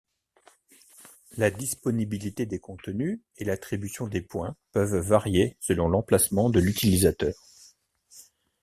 La disponibilité des contenus et l'attribution des points peuvent varier selon l'emplacement de l'utilisateur.